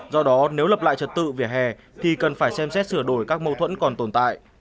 do đó nếu lập lại trật tự vỉa hè thì cần phải xem xét sửa đổi các mâu thuẫn còn tồn tại